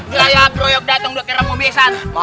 ngeraya broyok dateng dokeramu besan